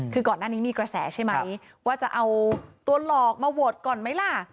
คือก่อนหน้านี้มีกระแสใช่ไหมว่าจะเอาตัวหลอกมาโหวตก่อนไหมล่ะ